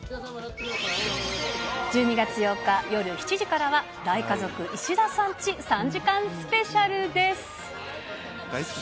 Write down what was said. １２月８日夜７時からは、大家族石田さんチ３時間スペシャルです。